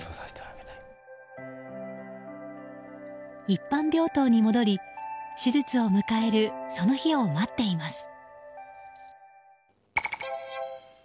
一般病棟に戻り、手術を迎えるその日を待っています。